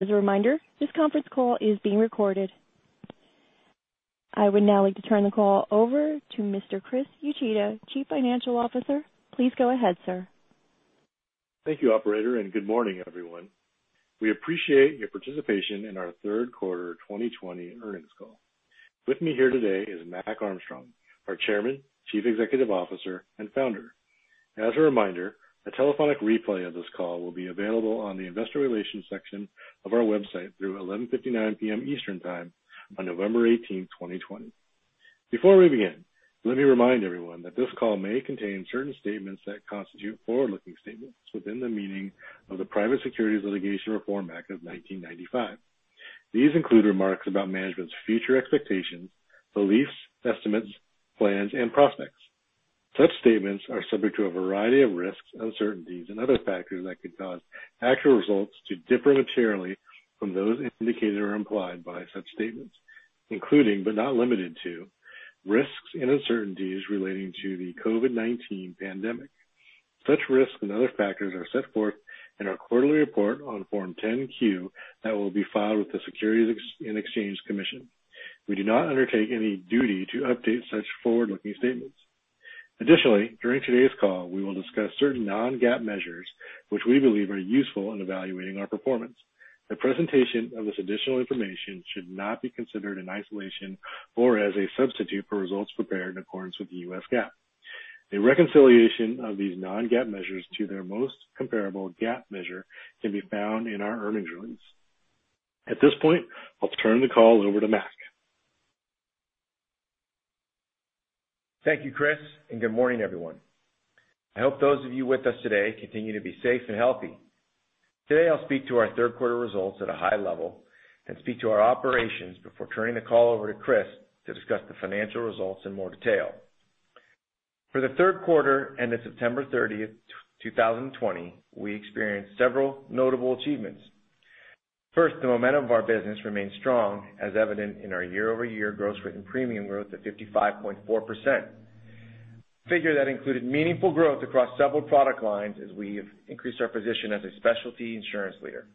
As a reminder, this conference call is being recorded. I would now like to turn the call over to Mr. Chris Uchida, Chief Financial Officer. Please go ahead, sir. Thank you, operator. Good morning, everyone. We appreciate your participation in our third quarter 2020 earnings call. With me here today is Mac Armstrong, our Chairman, Chief Executive Officer, and founder. As a reminder, a telephonic replay of this call will be available on the investor relations section of our website through 11:59 P.M. Eastern Time on November 18th, 2020. Before we begin, let me remind everyone that this call may contain certain statements that constitute forward-looking statements within the meaning of the Private Securities Litigation Reform Act of 1995. These include remarks about management's future expectations, beliefs, estimates, plans, and prospects. Such statements are subject to a variety of risks, uncertainties, and other factors that could cause actual results to differ materially from those indicated or implied by such statements, including but not limited to, risks and uncertainties relating to the COVID-19 pandemic. Such risks and other factors are set forth in our quarterly report on Form 10-Q that will be filed with the Securities and Exchange Commission. We do not undertake any duty to update such forward-looking statements. Additionally, during today's call, we will discuss certain non-GAAP measures which we believe are useful in evaluating our performance. The presentation of this additional information should not be considered in isolation or as a substitute for results prepared in accordance with the U.S. GAAP. A reconciliation of these non-GAAP measures to their most comparable GAAP measure can be found in our earnings release. At this point, I'll turn the call over to Mac. Thank you, Chris. Good morning, everyone. I hope those of you with us today continue to be safe and healthy. Today, I'll speak to our third quarter results at a high level and speak to our operations before turning the call over to Chris to discuss the financial results in more detail. For the third quarter and the September 30th, 2020, we experienced several notable achievements. First, the momentum of our business remains strong as evident in our year-over-year gross written premium growth of 55.4%, a figure that included meaningful growth across several product lines as we have increased our position as a specialty insurance leader.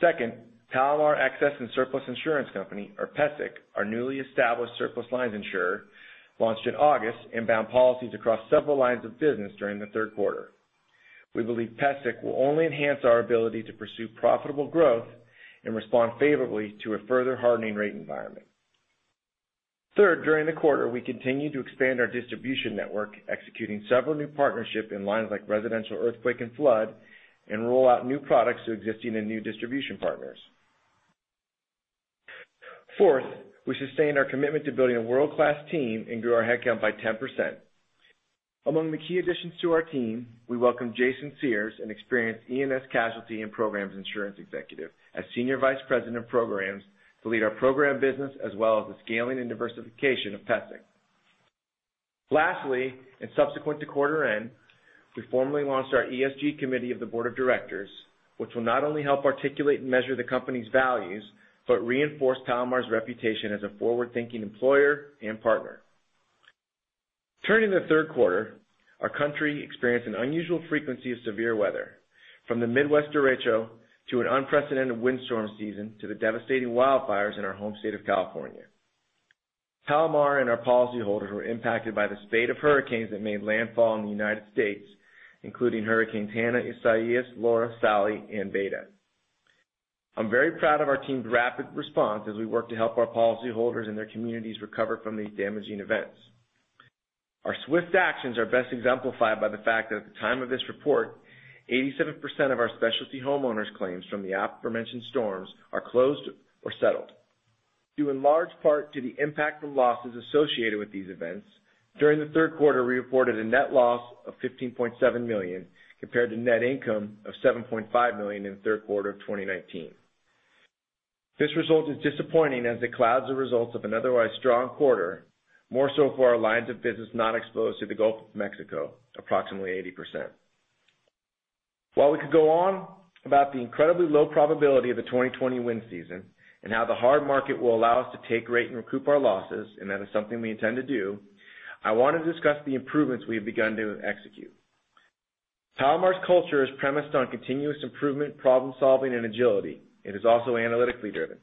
Second, Palomar Excess and Surplus Insurance Company, or PESIC, our newly established surplus lines insurer, launched in August and bound policies across several lines of business during the third quarter. We believe PESIC will only enhance our ability to pursue profitable growth and respond favorably to a further hardening rate environment. Third, during the quarter, we continued to expand our distribution network, executing several new partnerships in lines like residential earthquake and flood, and roll out new products to existing and new distribution partners. Fourth, we sustained our commitment to building a world-class team and grew our headcount by 10%. Among the key additions to our team, we welcome Jason Sears, an experienced E&S casualty and programs insurance executive as Senior Vice President of Programs to lead our program business, as well as the scaling and diversification of PESIC. Lastly, subsequent to quarter end, we formally launched our ESG committee of the board of directors, which will not only help articulate and measure the company's values, but reinforce Palomar's reputation as a forward-thinking employer and partner. Turning to the third quarter, our country experienced an unusual frequency of severe weather, from the Midwest derecho to an unprecedented windstorm season to the devastating wildfires in our home state of California. Palomar and our policyholders were impacted by the spate of hurricanes that made landfall in the U.S., including hurricanes Hanna, Isaias, Laura, Sally, and Beta. I'm very proud of our team's rapid response as we work to help our policyholders and their communities recover from these damaging events. Our swift actions are best exemplified by the fact that at the time of this report, 87% of our specialty homeowners claims from the aforementioned storms are closed or settled. Due in large part to the impact from losses associated with these events, during the third quarter, we reported a net loss of $15.7 million compared to net income of $7.5 million in the third quarter of 2019. This result is disappointing as it clouds the results of an otherwise strong quarter, more so for our lines of business not exposed to the Gulf of Mexico, approximately 80%. While we could go on about the incredibly low probability of the 2020 wind season and how the hard market will allow us to take rate and recoup our losses, that is something we intend to do, I want to discuss the improvements we've begun to execute. Palomar's culture is premised on continuous improvement, problem-solving, and agility. It is also analytically driven.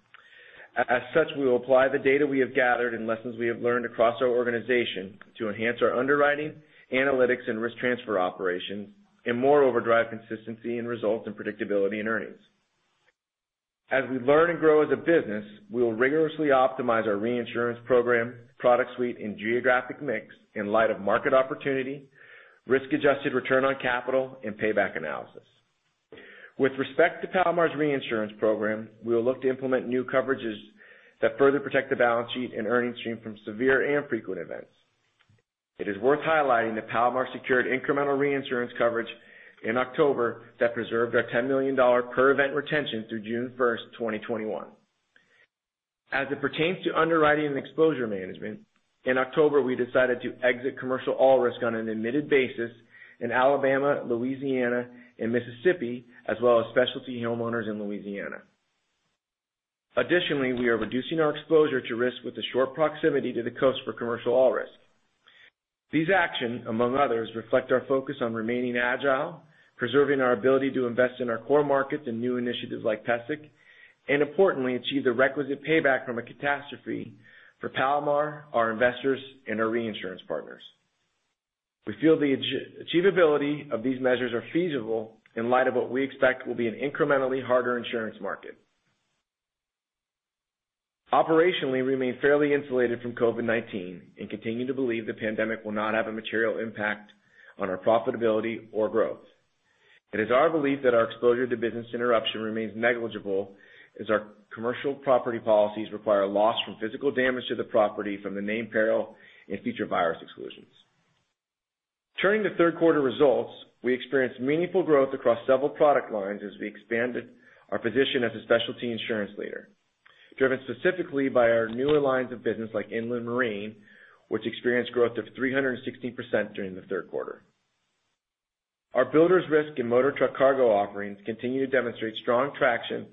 As such, we will apply the data we have gathered and lessons we have learned across our organization to enhance our underwriting, analytics, and risk transfer operations, moreover, drive consistency in results and predictability in earnings. As we learn and grow as a business, we will rigorously optimize our reinsurance program, product suite, and geographic mix in light of market opportunity, risk-adjusted return on capital, and payback analysis. With respect to Palomar's reinsurance program, we will look to implement new coverages that further protect the balance sheet and earning stream from severe and frequent events. It is worth highlighting that Palomar secured incremental reinsurance coverage in October that preserved our $10 million per event retention through June 1st, 2021. As it pertains to underwriting and exposure management, in October, we decided to exit commercial all-risk on an admitted basis in Alabama, Louisiana, and Mississippi, as well as specialty homeowners in Louisiana. Additionally, we are reducing our exposure to risk with a short proximity to the coast for commercial all-risk. These action, among others, reflect our focus on remaining agile, preserving our ability to invest in our core markets and new initiatives like PESIC, and importantly, achieve the requisite payback from a catastrophe for Palomar, our investors, and our reinsurance partners. We feel the achievability of these measures are feasible in light of what we expect will be an incrementally harder insurance market. Operationally, we remain fairly insulated from COVID-19, and continue to believe the pandemic will not have a material impact on our profitability or growth. It is our belief that our exposure to business interruption remains negligible, as our commercial property policies require loss from physical damage to the property from the named peril and feature virus exclusions. Turning to third quarter results, we experienced meaningful growth across several product lines as we expanded our position as a specialty insurance leader, driven specifically by our newer lines of business like inland marine, which experienced growth of 360% during the third quarter. Our builders risk and motor truck cargo offerings continue to demonstrate strong traction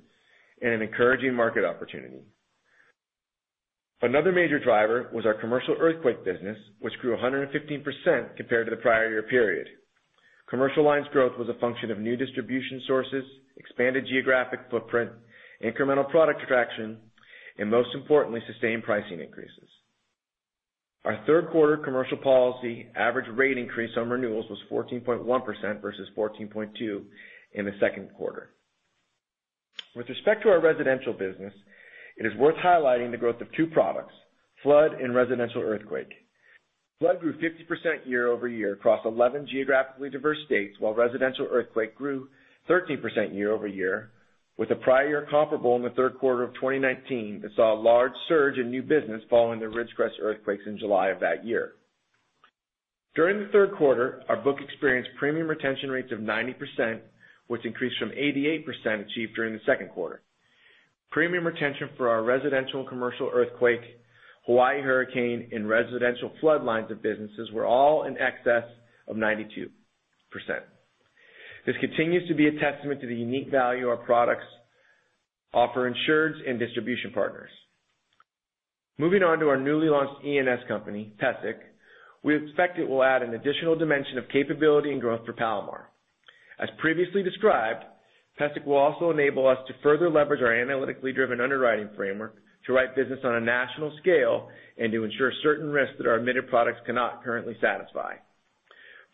and an encouraging market opportunity. Another major driver was our commercial earthquake business, which grew 115% compared to the prior year period. Commercial lines growth was a function of new distribution sources, expanded geographic footprint, incremental product traction, and most importantly, sustained pricing increases. Our third quarter commercial policy average rate increase on renewals was 14.1% versus 14.2% in the second quarter. With respect to our residential business, it is worth highlighting the growth of two products, flood and residential earthquake. Flood grew 50% year-over-year across 11 geographically diverse states, while residential earthquake grew 13% year-over-year with a prior comparable in the third quarter of 2019 that saw a large surge in new business following the Ridgecrest earthquakes in July of that year. During the third quarter, our book experienced premium retention rates of 90%, which increased from 88% achieved during the second quarter. Premium retention for our residential and commercial earthquake, Hawaii hurricane, and residential flood lines of businesses were all in excess of 92%. This continues to be a testament to the unique value our products offer insureds and distribution partners. Moving on to our newly launched E&S company, PESIC, we expect it will add an additional dimension of capability and growth for Palomar. As previously described, PESIC will also enable us to further leverage our analytically driven underwriting framework to write business on a national scale and to insure certain risks that our admitted products cannot currently satisfy.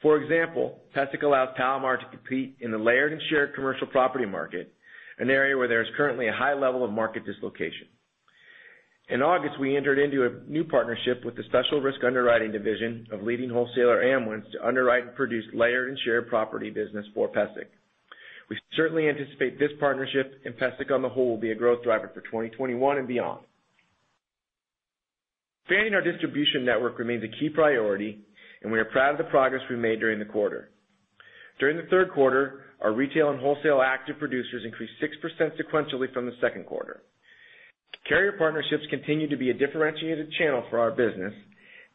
For example, PESIC allows Palomar to compete in the layered and shared commercial property market, an area where there is currently a high level of market dislocation. In August, we entered into a new partnership with the special risk underwriting division of leading wholesaler Amwins to underwrite and produce layered and shared property business for PESIC. We certainly anticipate this partnership and PESIC on the whole will be a growth driver for 2021 and beyond. Expanding our distribution network remains a key priority, and we are proud of the progress we made during the quarter. During the third quarter, our retail and wholesale active producers increased 6% sequentially from the second quarter. Carrier partnerships continue to be a differentiated channel for our business.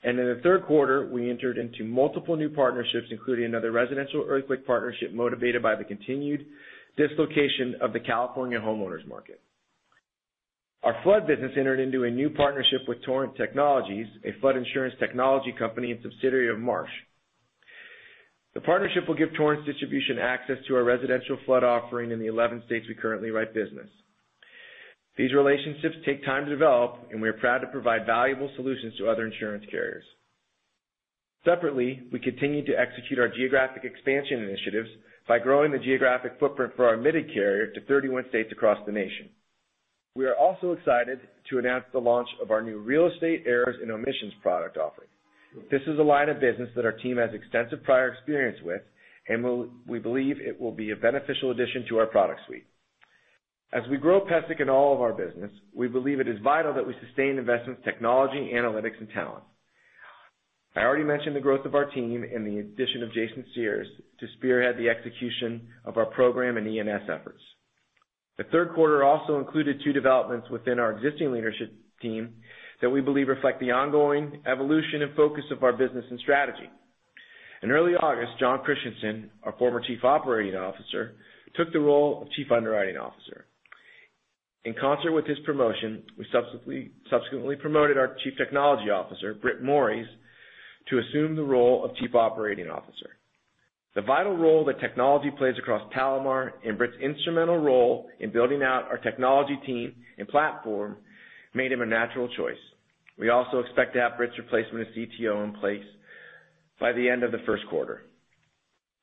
In the third quarter, we entered into multiple new partnerships, including another residential earthquake partnership motivated by the continued dislocation of the California homeowners market. Our flood business entered into a new partnership with Torrent Technologies, a flood insurance technology company and subsidiary of Marsh. The partnership will give Torrent's distribution access to our residential flood offering in the 11 states we currently write business. These relationships take time to develop. We are proud to provide valuable solutions to other insurance carriers. Separately, we continue to execute our geographic expansion initiatives by growing the geographic footprint for our admitted carrier to 31 states across the nation. We are also excited to announce the launch of our new real estate errors and omissions product offering. This is a line of business that our team has extensive prior experience with. We believe it will be a beneficial addition to our product suite. As we grow PESIC in all of our business, we believe it is vital that we sustain investments, technology, analytics, and talent. I already mentioned the growth of our team and the addition of Jason Sears to spearhead the execution of our program and E&S efforts. The third quarter also included two developments within our existing leadership team that we believe reflect the ongoing evolution and focus of our business and strategy. In early August, Jon Christianson, our former chief operating officer, took the role of chief underwriting officer. In concert with his promotion, we subsequently promoted our chief technology officer, Britt Morries, to assume the role of chief operating officer. The vital role that technology plays across Palomar and Britt's instrumental role in building out our technology team and platform made him a natural choice. We also expect to have Britt's replacement as CTO in place by the end of the first quarter.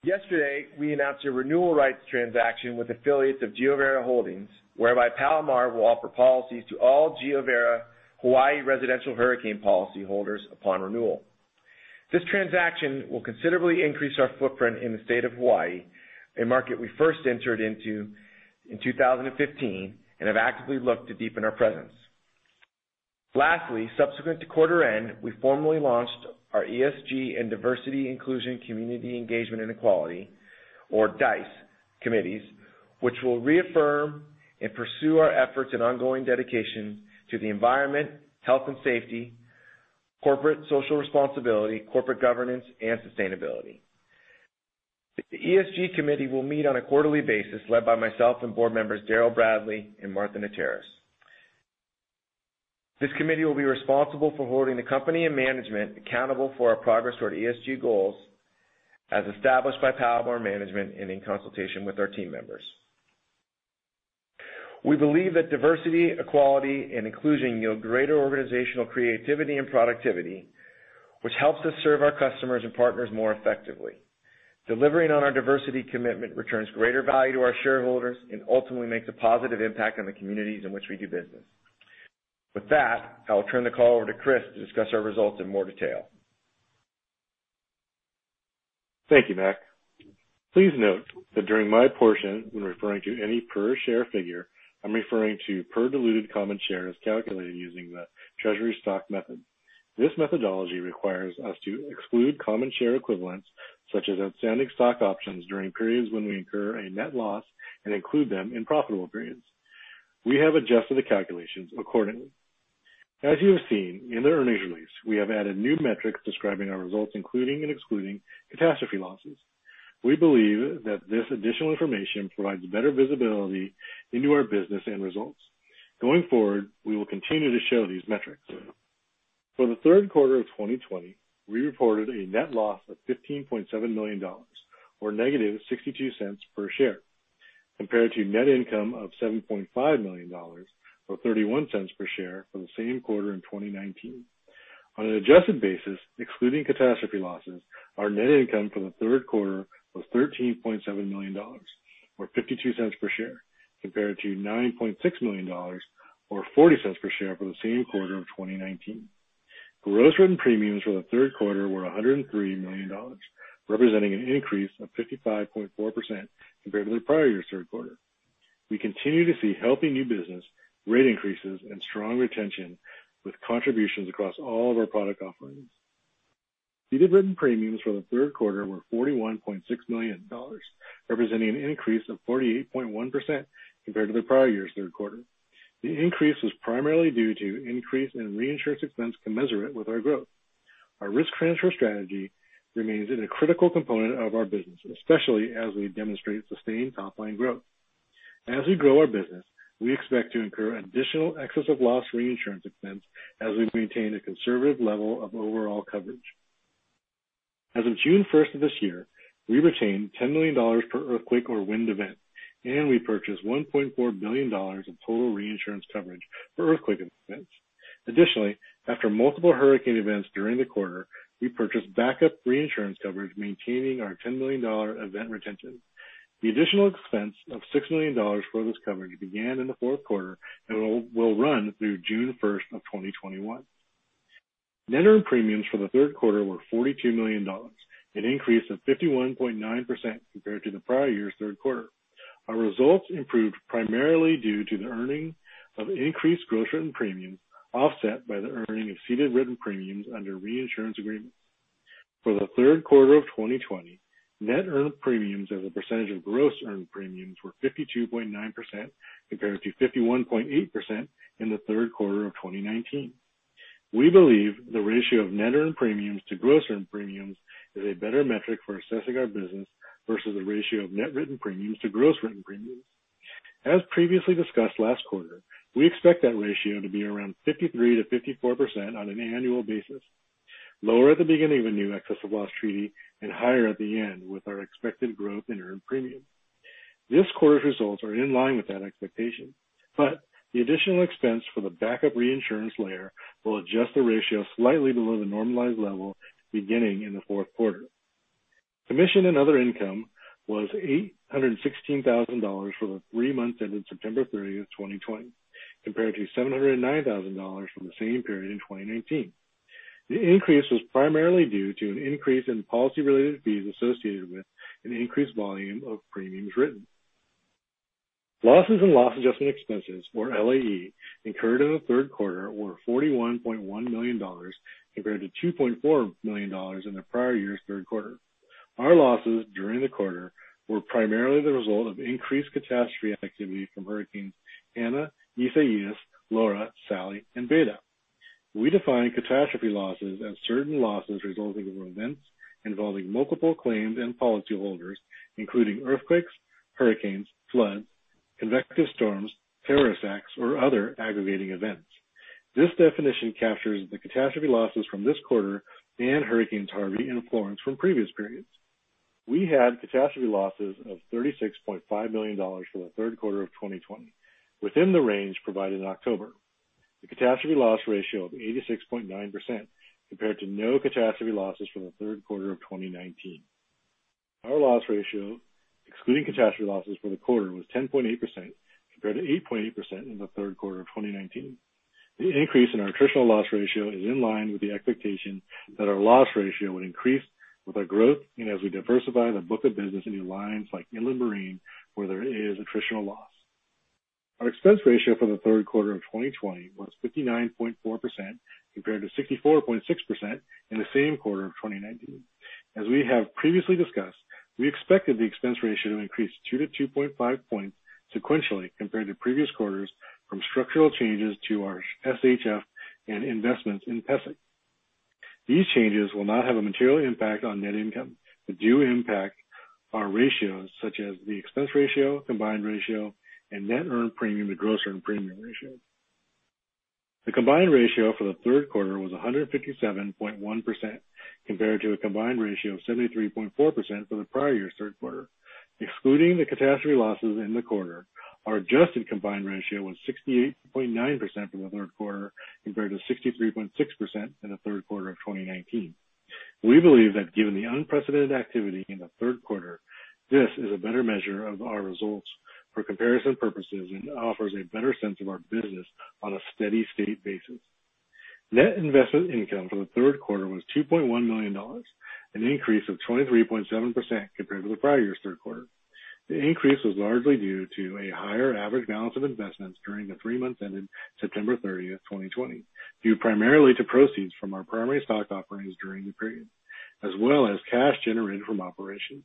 Yesterday, we announced a renewal rights transaction with affiliates of GeoVera Holdings, whereby Palomar will offer policies to all GeoVera Hawaii residential hurricane policyholders upon renewal. This transaction will considerably increase our footprint in the state of Hawaii, a market we first entered into in 2015 and have actively looked to deepen our presence. Subsequent to quarter end, we formally launched our ESG and Diversity Inclusion Community Engagement and Equality, or DICE committees, which will reaffirm and pursue our efforts and ongoing dedication to the environment, health and safety, corporate social responsibility, corporate governance, and sustainability. The ESG committee will meet on a quarterly basis led by myself and board members Daryl Bradley and Martha Nateras. This committee will be responsible for holding the company and management accountable for our progress toward ESG goals as established by Palomar management and in consultation with our team members. We believe that diversity, equality, and inclusion yield greater organizational creativity and productivity, which helps us serve our customers and partners more effectively. Delivering on our diversity commitment returns greater value to our shareholders and ultimately makes a positive impact on the communities in which we do business. With that, I will turn the call over to Chris to discuss our results in more detail. Thank you, Mac. Please note that during my portion, when referring to any per share figure, I'm referring to per diluted common share as calculated using the treasury stock method. This methodology requires us to exclude common share equivalents, such as outstanding stock options, during periods when we incur a net loss and include them in profitable periods. We have adjusted the calculations accordingly. As you have seen in the earnings release, we have added new metrics describing our results, including and excluding catastrophe losses. We believe that this additional information provides better visibility into our business and results. Going forward, we will continue to show these metrics. For the third quarter of 2020, we reported a net loss of $15.7 million, or negative $0.62 per share, compared to net income of $7.5 million, or $0.31 per share for the same quarter in 2019. On an adjusted basis, excluding catastrophe losses, our net income for the third quarter was $13.7 million, or $0.52 per share, compared to $9.6 million or $0.40 per share for the same quarter of 2019. Gross written premiums for the third quarter were $103 million, representing an increase of 55.4% compared to the prior year's third quarter. We continue to see healthy new business, rate increases, and strong retention with contributions across all of our product offerings. Ceded written premiums for the third quarter were $41.6 million, representing an increase of 48.1% compared to the prior year's third quarter. The increase was primarily due to increase in reinsurance expense commensurate with our growth. Our risk transfer strategy remains a critical component of our business, especially as we demonstrate sustained top-line growth. As we grow our business, we expect to incur additional excess of loss reinsurance expense as we maintain a conservative level of overall coverage. As of June 1st of this year, we retained $10 million per earthquake or wind event, and we purchased $1.4 billion of total reinsurance coverage for earthquake events. Additionally, after multiple hurricane events during the quarter, we purchased backup reinsurance coverage, maintaining our $10 million event retention. The additional expense of $6 million for this coverage began in the fourth quarter and will run through June 1st of 2021. Net earned premiums for the third quarter were $42 million, an increase of 51.9% compared to the prior year's third quarter. Our results improved primarily due to the earning of increased gross written premium, offset by the earning of ceded written premiums under reinsurance agreement. For the third quarter of 2020, net earned premiums as a percentage of gross earned premiums were 52.9%, compared to 51.8% in the third quarter of 2019. We believe the ratio of net earned premiums to gross earned premiums is a better metric for assessing our business versus the ratio of net written premiums to gross written premiums. As previously discussed last quarter, we expect that ratio to be around 53%-54% on an annual basis, lower at the beginning of a new excess of loss treaty and higher at the end with our expected growth in earned premium. This quarter's results are in line with that expectation, but the additional expense for the backup reinsurance layer will adjust the ratio slightly below the normalized level beginning in the fourth quarter. Commission and other income was $816,000 for the three months ended September 30th, 2020, compared to $709,000 for the same period in 2019. The increase was primarily due to an increase in policy-related fees associated with an increased volume of premiums written. Losses and loss adjustment expenses, or LAE, incurred in the third quarter were $41.1 million, compared to $2.4 million in the prior year's third quarter. Our losses during the quarter were primarily the result of increased catastrophe activity from hurricanes Hanna, Isaias, Laura, Sally, and Beta. We define catastrophe losses as certain losses resulting from events involving multiple claims and policyholders, including earthquakes, hurricanes, floods, convective storms, terror attacks, or other aggregating events. This definition captures the catastrophe losses from this quarter and hurricanes Harvey and Florence from previous periods. We had catastrophe losses of $36.5 million for the third quarter of 2020, within the range provided in October. The catastrophe loss ratio of 86.9%, compared to no catastrophe losses for the third quarter of 2019. Our loss ratio, excluding catastrophe losses for the quarter, was 10.8%, compared to 8.8% in the third quarter of 2019. The increase in our attritional loss ratio is in line with the expectation that our loss ratio would increase with our growth and as we diversify the book of business into lines like inland marine, where there is attritional loss. Our expense ratio for the third quarter of 2020 was 59.4%, compared to 64.6% in the same quarter of 2019. As we have previously discussed, we expected the expense ratio to increase 2 to 2.5 points sequentially compared to previous quarters from structural changes to our SHF and investments in PESIC. These changes will not have a material impact on net income, do impact our ratios such as the expense ratio, combined ratio, and net earned premium to gross earned premium ratio. The combined ratio for the third quarter was 157.1%, compared to a combined ratio of 73.4% for the prior year's third quarter. Excluding the catastrophe losses in the quarter, our adjusted combined ratio was 68.9% for the third quarter compared to 63.6% in the third quarter of 2019. We believe that given the unprecedented activity in the third quarter, this is a better measure of our results for comparison purposes and offers a better sense of our business on a steady-state basis. Net investment income for the third quarter was $2.1 million, an increase of 23.7% compared to the prior year's third quarter. The increase was largely due to a higher average balance of investments during the three months ended September 30th, 2020, due primarily to proceeds from our primary stock offerings during the period, as well as cash generated from operations.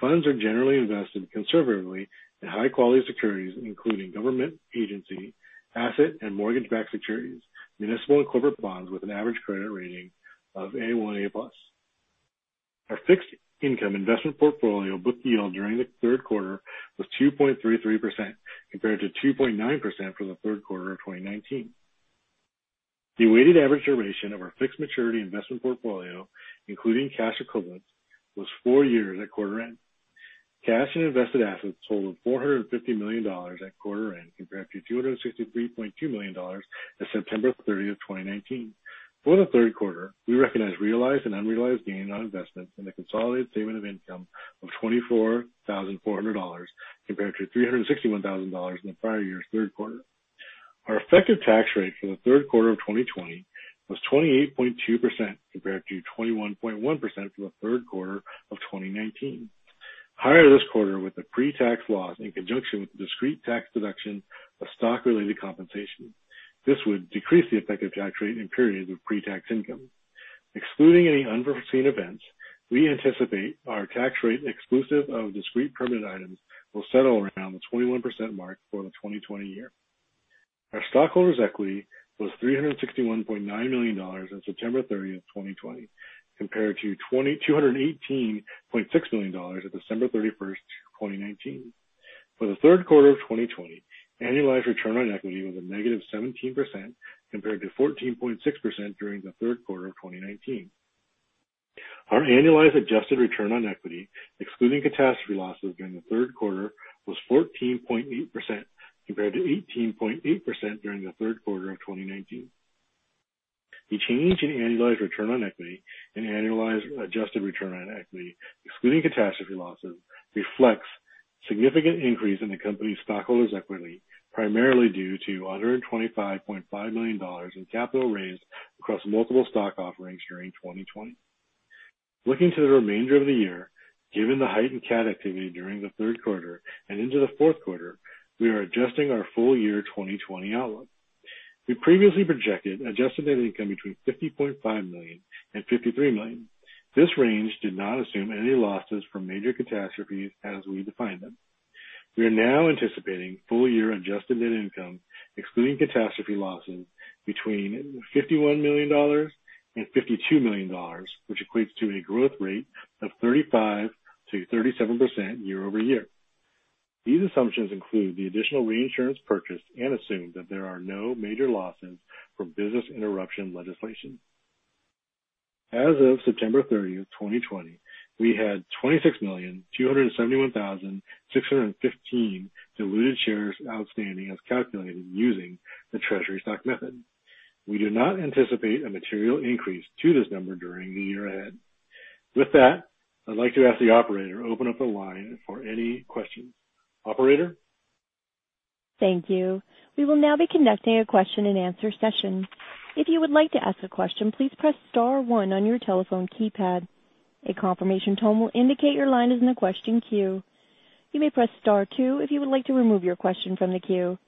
Funds are generally invested conservatively in high-quality securities, including government agency, asset and mortgage-backed securities, municipal and corporate bonds with an average credit rating of A1, A+. Our fixed income investment portfolio book yield during the third quarter was 2.33%, compared to 2.9% for the third quarter of 2019. The weighted average duration of our fixed maturity investment portfolio, including cash equivalents, was four years at quarter end. Cash and invested assets totaled $450 million at quarter end, compared to $263.2 million at September 30th, 2019. For the third quarter, we recognized realized and unrealized gains on investments in the consolidated statement of income of $24,400 compared to $361,000 in the prior year's third quarter. Our effective tax rate for the third quarter of 2020 was 28.2%, compared to 21.1% for the third quarter of 2019. Higher this quarter with a pre-tax loss in conjunction with the discrete tax deduction of stock related compensation. This would decrease the effective tax rate in periods of pre-tax income. Excluding any unforeseen events, we anticipate our tax rate exclusive of discrete permanent items will settle around the 21% mark for the 2020 year. Our stockholders' equity was $361.9 million on September 30th, 2020 compared to $218.6 million at December 31st, 2019. For the third quarter of 2020, annualized return on equity was a negative 17%, compared to 14.6% during the third quarter of 2019. Our annualized adjusted return on equity, excluding catastrophe losses during the third quarter, was 14.8%, compared to 18.8% during the third quarter of 2019. The change in annualized return on equity and annualized adjusted return on equity, excluding catastrophe losses, reflects significant increase in the company's stockholders' equity, primarily due to $125.5 million in capital raised across multiple stock offerings during 2020. Looking to the remainder of the year, given the heightened cat activity during the third quarter and into the fourth quarter, we are adjusting our full year 2020 outlook. We previously projected adjusted net income between $50.5 million and $53 million. This range did not assume any losses from major catastrophes as we define them. We are now anticipating full year adjusted net income, excluding catastrophe losses, between $51 million and $52 million, which equates to a growth rate of 35% to 37% year-over-year. These assumptions include the additional reinsurance purchase and assume that there are no major losses from business interruption legislation. As of September 30th, 2020, we had 26,271,615 diluted shares outstanding as calculated using the treasury stock method. We do not anticipate a material increase to this number during the year ahead. With that, I'd like to ask the operator to open up the line for any questions. Operator? Thank you. We will now be conducting a question and answer session. If you would like to ask a question, please press *1 on your telephone keypad. A confirmation tone will indicate your line is in the question queue. You may press *2 if you would like to remove your question from the queue.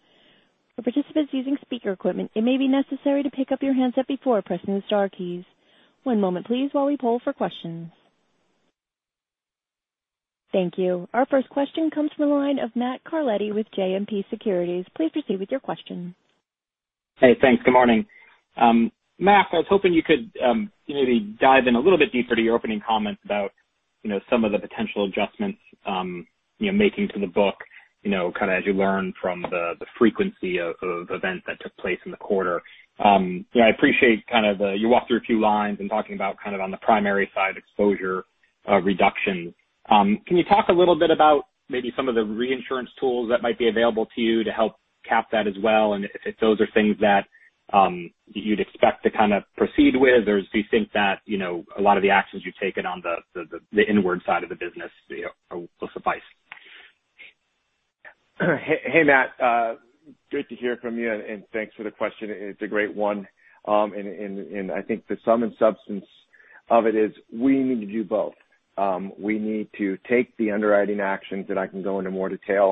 For participants using speaker equipment, it may be necessary to pick up your handset before pressing the star keys. One moment please while we poll for questions. Thank you. Our first question comes from the line of Matthew Carletti with JMP Securities. Please proceed with your question. Hey, thanks. Good morning. Matt, I was hoping you could maybe dive in a little bit deeper to your opening comments about some of the potential adjustments you're making to the book as you learn from the frequency of events that took place in the quarter. I appreciate you walked through a few lines in talking about on the primary side exposure reductions. Can you talk a little bit about maybe some of the reinsurance tools that might be available to you to help cap that as well, and if those are things that you'd expect to proceed with, or do you think that a lot of the actions you've taken on the inward side of the business will suffice? Hey, Matt. Good to hear from you and thanks for the question. It's a great one. I think the sum and substance of it is we need to do both. We need to take the underwriting actions that I can go into more detail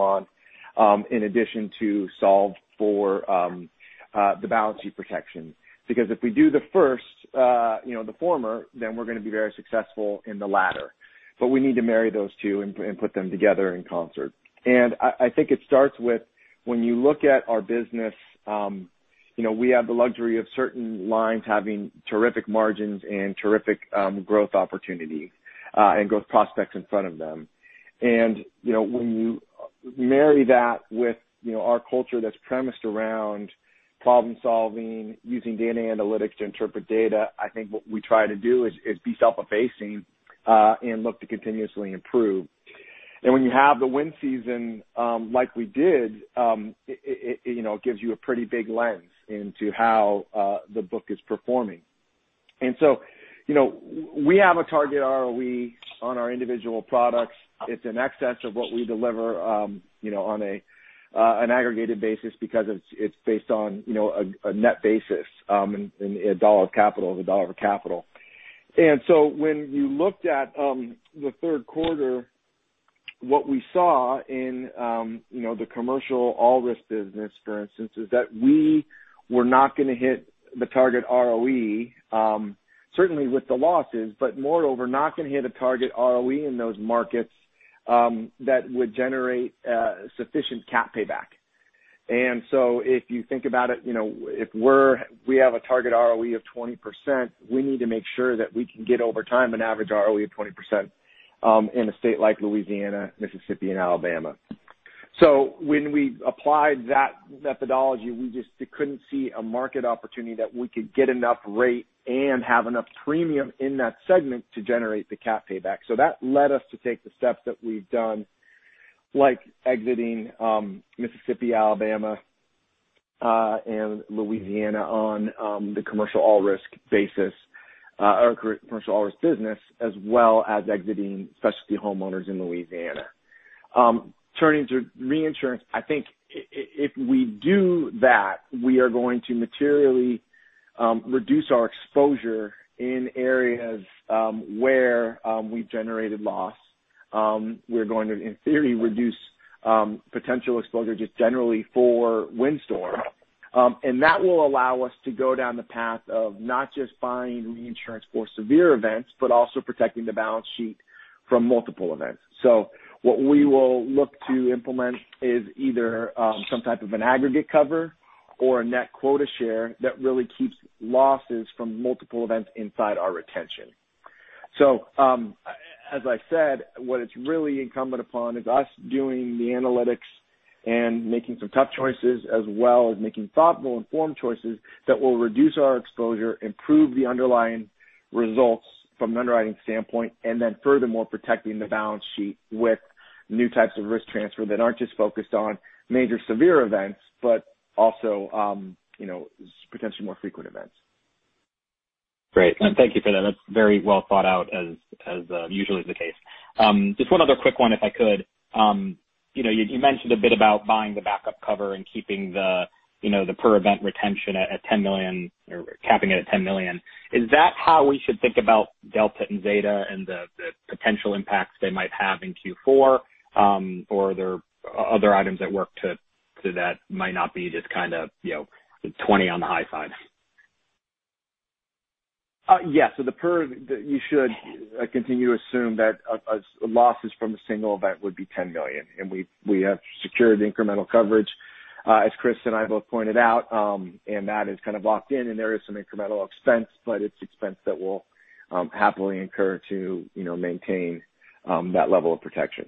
on, in addition to solve for the balance sheet protection. If we do the first, the former, then we're going to be very successful in the latter. We need to marry those two and put them together in concert. I think it starts with When you look at our business, we have the luxury of certain lines having terrific margins and terrific growth opportunity and growth prospects in front of them. When you marry that with our culture that's premised around problem-solving, using data analytics to interpret data, I think what we try to do is be self-effacing and look to continuously improve. When you have the wind season like we did, it gives you a pretty big lens into how the book is performing. We have a target ROE on our individual products. It's in excess of what we deliver on an aggregated basis because it's based on a net basis, and a dollar of capital is a dollar of capital. When you looked at the third quarter, what we saw in the commercial all-risk business, for instance, is that we were not going to hit the target ROE, certainly with the losses, but moreover, not going to hit a target ROE in those markets that would generate sufficient cat payback. If you think about it, if we have a target ROE of 20%, we need to make sure that we can get over time an average ROE of 20% in a state like Louisiana, Mississippi, and Alabama. When we applied that methodology, we just couldn't see a market opportunity that we could get enough rate and have enough premium in that segment to generate the cat payback. That led us to take the steps that we've done, like exiting Mississippi, Alabama, and Louisiana on the commercial all-risk basis or commercial all-risk business, as well as exiting specialty homeowners in Louisiana. Turning to reinsurance, I think if we do that, we are going to materially reduce our exposure in areas where we've generated loss. We're going to, in theory, reduce potential exposure just generally for windstorm. That will allow us to go down the path of not just buying reinsurance for severe events, but also protecting the balance sheet from multiple events. What we will look to implement is either some type of an aggregate cover or a net quota share that really keeps losses from multiple events inside our retention. As I said, what it's really incumbent upon is us doing the analytics and making some tough choices, as well as making thoughtful, informed choices that will reduce our exposure, improve the underlying results from an underwriting standpoint, and furthermore, protecting the balance sheet with new types of risk transfer that aren't just focused on major severe events, but also potentially more frequent events. Great. Thank you for that. That's very well thought out, as usually the case. Just one other quick one, if I could. You mentioned a bit about buying the backup cover and keeping the per-event retention at $10 million or capping it at $10 million. Is that how we should think about Delta and Zeta and the potential impacts they might have in Q4? Are there other items at work to that might not be just kind of 20 on the high side? Yes. You should continue to assume that losses from a single event would be $10 million. We have secured incremental coverage, as Chris and I both pointed out. That is kind of locked in. There is some incremental expense, but it's expense that we'll happily incur to maintain that level of protection.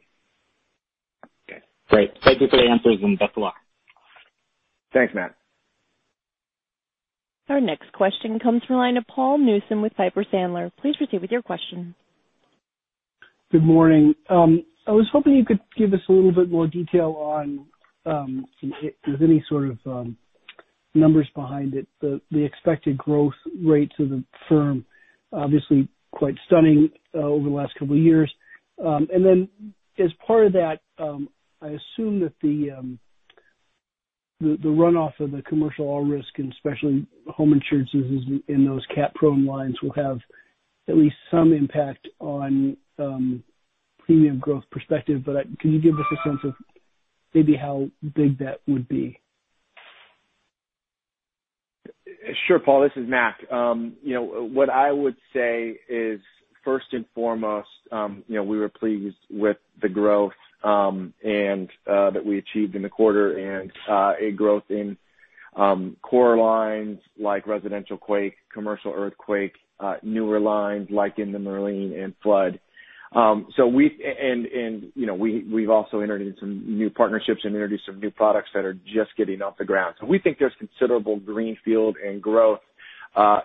Okay, great. Thank you for the answers, best of luck. Thanks, Matt. Our next question comes from the line of Paul Newsome with Piper Sandler. Please proceed with your question. Good morning. I was hoping you could give us a little bit more detail on if there's any sort of numbers behind it, the expected growth rates of the firm, obviously quite stunning over the last couple of years. As part of that, I assume that the runoff of the commercial all risk and specialty home insurance in those cat-prone lines will have at least some impact on premium growth perspective. Can you give us a sense of maybe how big that would be? Sure. Paul, this is Mac. What I would say is, first and foremost, we were pleased with the growth that we achieved in the quarter and a growth in core lines like residential earthquake, commercial earthquake, newer lines like inland marine and flood. We've also entered into some new partnerships and introduced some new products that are just getting off the ground. We think there's considerable greenfield and growth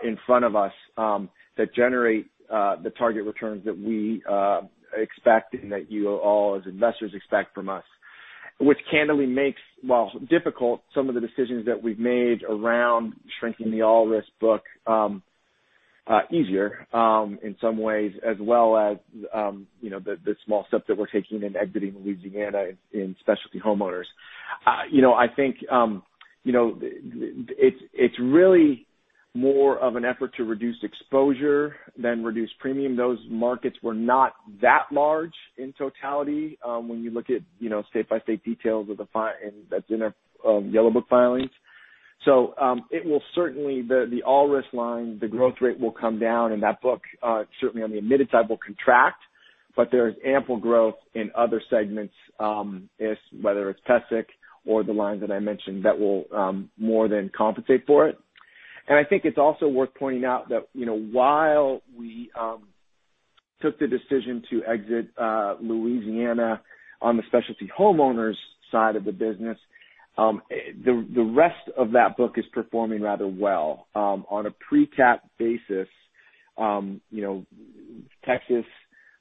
in front of us that generate the target returns that we expect and that you all as investors expect from us, which candidly makes, while difficult, some of the decisions that we've made around shrinking the all-risk book easier in some ways, as well as the small steps that we're taking in exiting Louisiana in specialty homeowners. I think it's really more of an effort to reduce exposure than reduce premium. Those markets were not that large in totality when you look at state-by-state details that's in our Yellow Book filings. It will certainly, the all-risk line, the growth rate will come down in that book. Certainly on the admitted side will contract, but there is ample growth in other segments, whether it's PESIC or the lines that I mentioned, that will more than compensate for it. I think it's also worth pointing out that while we took the decision to exit Louisiana on the specialty homeowners side of the business, the rest of that book is performing rather well. On a pre-cat basis, Texas,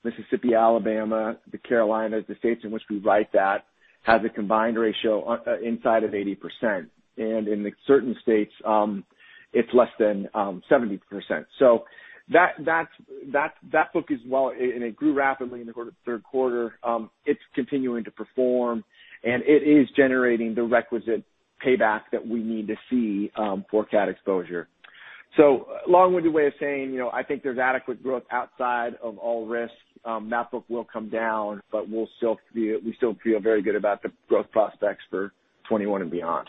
Mississippi, Alabama, the Carolinas, the states in which we write that, has a combined ratio inside of 80%. In certain states, it's less than 70%. That book is well, and it grew rapidly in the third quarter. It's continuing to perform, and it is generating the requisite payback that we need to see for cat exposure. Long-winded way of saying, I think there's adequate growth outside of all risks. That book will come down, but we still feel very good about the growth prospects for 2021 and beyond.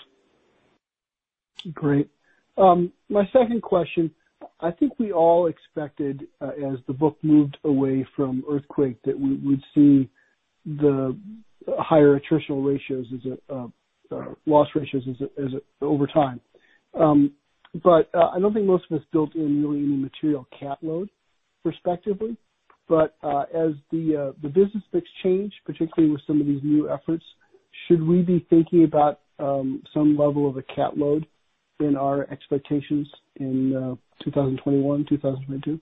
Great. My second question, I think we all expected, as the book moved away from earthquake, that we would see the higher attritional ratios, loss ratios over time. I don't think most of us built in really any material cat load, respectively. As the business mix change, particularly with some of these new efforts, should we be thinking about some level of a cat load in our expectations in 2021, 2022?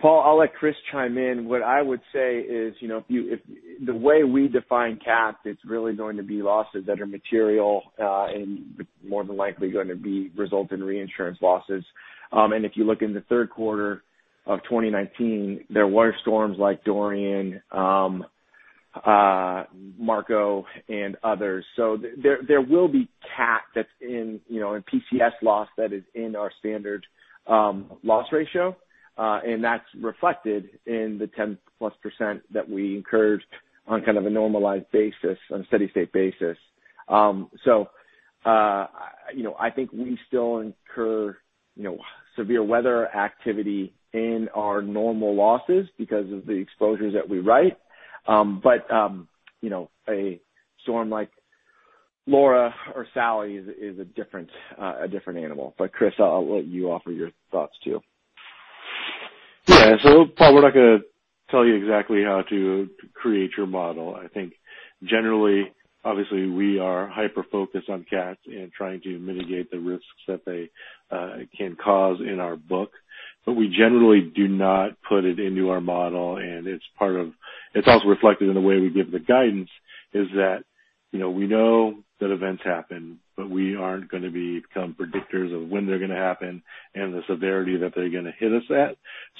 Paul, I'll let Chris chime in. What I would say is, the way we define cat, it's really going to be losses that are material, and more than likely going to result in reinsurance losses. If you look in the third quarter of 2019, there were storms like Dorian, Marco, and others. There will be cat that's in PCS loss that is in our standard loss ratio. That's reflected in the 10+% that we incurred on kind of a normalized basis, on a steady state basis. I think we still incur severe weather activity in our normal losses because of the exposures that we write. A storm like Laura or Sally is a different animal. Chris, I'll let you offer your thoughts, too. Yeah. Paul, we're not going to tell you exactly how to create your model. I think generally, obviously, we are hyper-focused on cats and trying to mitigate the risks that they can cause in our book. We generally do not put it into our model, and it's also reflected in the way we give the guidance is that, we know that events happen, but we aren't going to become predictors of when they're going to happen and the severity that they're going to hit us at.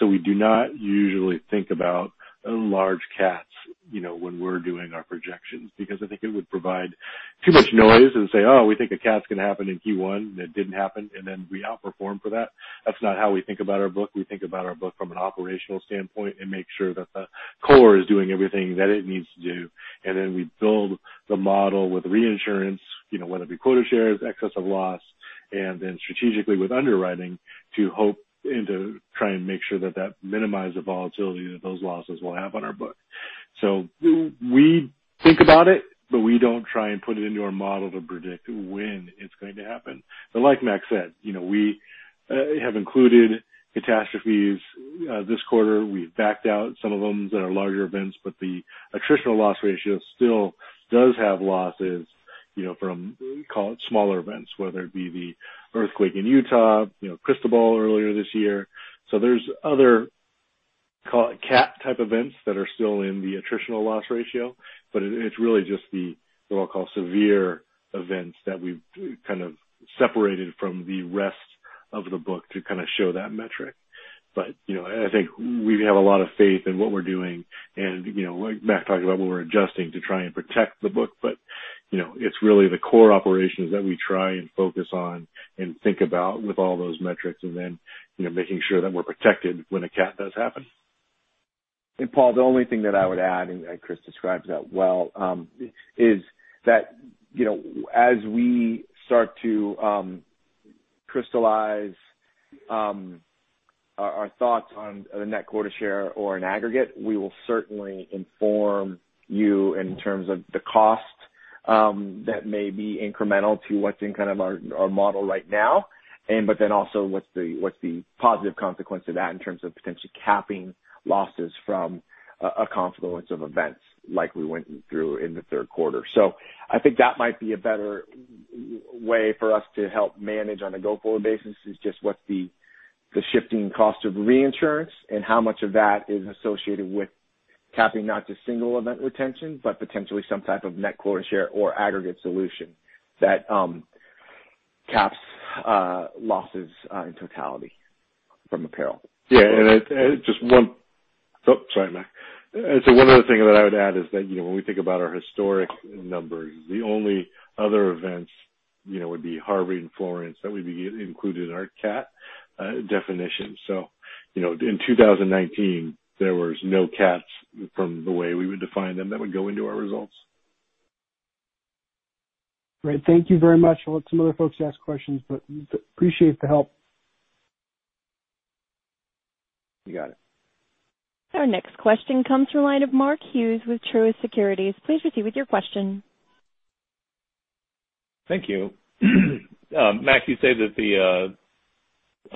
We do not usually think about large cats when we're doing our projections, because I think it would provide too much noise and say, oh, we think a cat's going to happen in Q1, and it didn't happen, and then we outperform for that. That's not how we think about our book. We think about our book from an operational standpoint and make sure that the core is doing everything that it needs to do. Then we build the model with reinsurance, whether it be quota shares, excess of loss, and then strategically with underwriting to hope, and to try and make sure that minimize the volatility that those losses will have on our book. We think about it, but we don't try and put it into our model to predict when it's going to happen. Like Mac said, we have included catastrophes this quarter. We've backed out some of them that are larger events, but the attritional loss ratio still does have losses from, call it smaller events, whether it be the earthquake in Utah, Cristobal earlier this year. There's other cat type events that are still in the attritional loss ratio, but it's really just the, what I'll call severe events that we've kind of separated from the rest of the book to kind of show that metric. I think we have a lot of faith in what we're doing. Like Mac talked about, what we're adjusting to try and protect the book, but it's really the core operations that we try and focus on and think about with all those metrics, and then making sure that we're protected when a cat does happen. Paul, the only thing that I would add, Chris describes that well, is that as we start to crystallize our thoughts on a net quota share or an aggregate, we will certainly inform you in terms of the cost that may be incremental to what's in kind of our model right now. Also, what's the positive consequence of that in terms of potentially capping losses from a confluence of events like we went through in the third quarter. I think that might be a better way for us to help manage on a go-forward basis, is just what's the shifting cost of reinsurance and how much of that is associated with capping not just single event retention, but potentially some type of net quota share or aggregate solution that caps losses in totality from a peril. Yeah. Just one, Oh, sorry, Mac. One other thing that I would add is that when we think about our historic numbers, the only other events Would be Harvey and Florence that would be included in our CAT definition. In 2019, there was no CAT from the way we would define them that would go into our results. Great. Thank you very much. I'll let some other folks ask questions, appreciate the help. You got it. Our next question comes from the line of Mark Hughes with Truist Securities. Please proceed with your question. Thank you. Mac, you say that the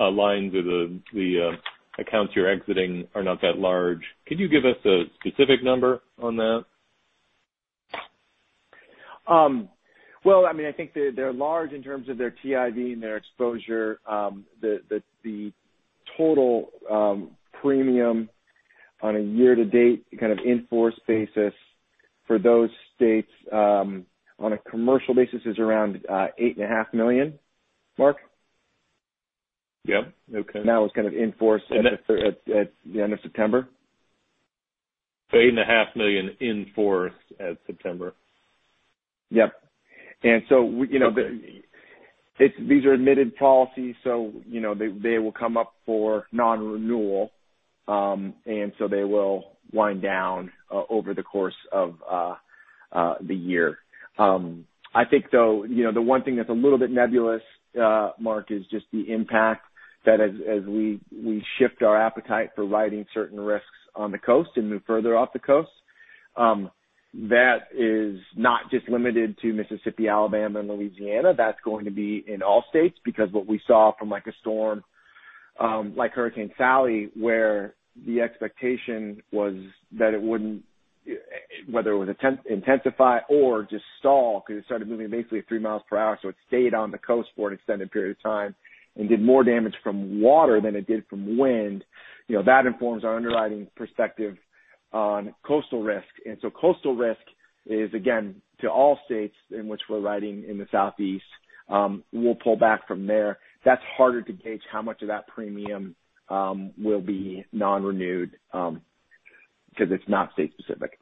lines or the accounts you're exiting are not that large. Can you give us a specific number on that? Well, I think they're large in terms of their TIV and their exposure. The total premium on a year to date kind of in-force basis for those states, on a commercial basis, is around $8.5 million. Mark? Yep. Okay. That was kind of in force at the end of September. Eight and a half million in force at September. Yep. These are admitted policies, so they will come up for non-renewal, and so they will wind down over the course of the year. I think though, the one thing that's a little bit nebulous, Mark, is just the impact that as we shift our appetite for writing certain risks on the coast and move further off the coast, that is not just limited to Mississippi, Alabama, and Louisiana. That's going to be in all states because what we saw from a storm like Hurricane Sally, where the expectation was that it wouldn't, whether it would intensify or just stall, because it started moving basically at three miles per hour, so it stayed on the coast for an extended period of time and did more damage from water than it did from wind. That informs our underwriting perspective on coastal risk. Coastal risk is, again, to all states in which we're writing in the Southeast. We'll pull back from there. That's harder to gauge how much of that premium will be non-renewed, because it's not state specific.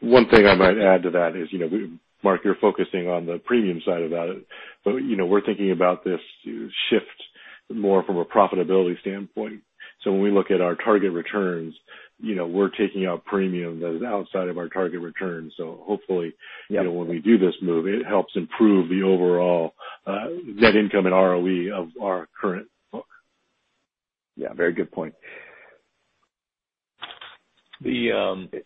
One thing I might add to that is, Mark, you're focusing on the premium side about it, but we're thinking about this shift more from a profitability standpoint. When we look at our target returns, we're taking out premium that is outside of our target return. Hopefully- Yeah when we do this move, it helps improve the overall net income and ROE of our current book. Yeah, very good point. The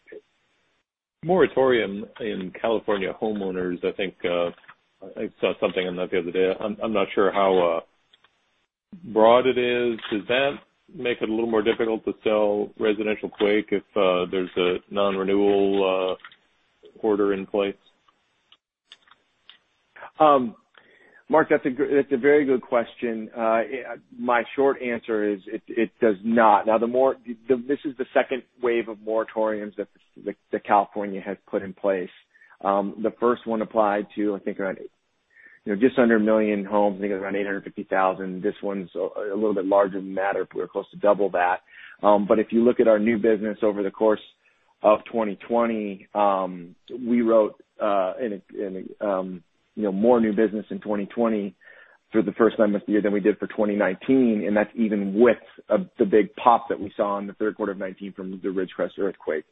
moratorium in California homeowners, I think I saw something on that the other day. I'm not sure how broad it is. Does that make it a little more difficult to sell residential quake if there's a non-renewal order in place? Mark, that's a very good question. My short answer is it does not. This is the second wave of moratoriums that California has put in place. The first one applied to, I think, just under 1 million homes, I think it was around 850,000. This one's a little bit larger than that. We're close to double that. If you look at our new business over the course of 2020, we wrote more new business in 2020 for the first nine months of the year than we did for 2019, and that's even with the big pop that we saw in the third quarter of 2019 from the Ridgecrest earthquake.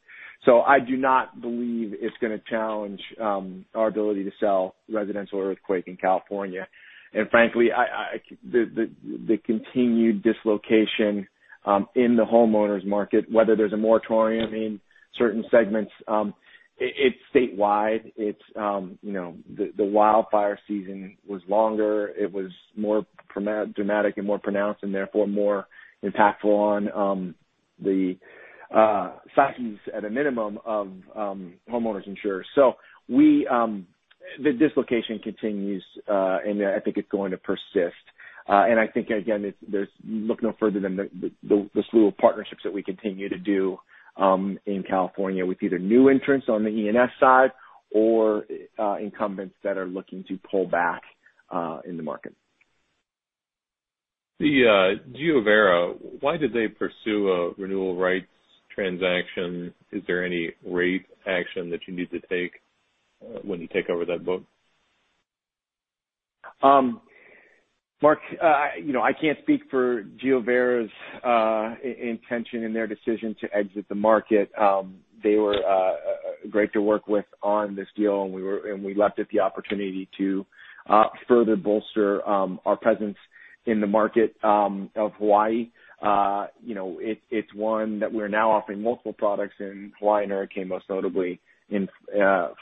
I do not believe it's going to challenge our ability to sell residential earthquake in California. Frankly, the continued dislocation in the homeowners market, whether there's a moratorium in certain segments, it's statewide. The wildfire season was longer, it was more dramatic and more pronounced and therefore more impactful on the finances at a minimum of homeowners insurers. The dislocation continues, and I think it's going to persist. I think, again, look no further than the slew of partnerships that we continue to do in California with either new entrants on the E&S side or incumbents that are looking to pull back in the market. The GeoVera, why did they pursue a renewal rights transaction? Is there any rate action that you need to take when you take over that book? Mark, I can't speak for GeoVera's intention in their decision to exit the market. They were great to work with on this deal. We leapt at the opportunity to further bolster our presence in the market of Hawaii. It's one that we're now offering multiple products in Hawaii and hurricane, most notably in